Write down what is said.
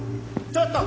ちょっと！